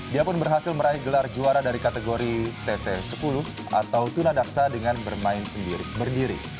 dia pun berhasil meraih gelar juara dari kategori tt sepuluh atau tunadaksa dengan bermain sendiri berdiri